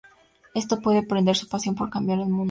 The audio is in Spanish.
Esto puede prender su pasión por cambiar el mundo".